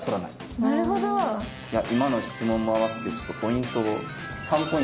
今の質問も合わせてちょっとポイントをおお！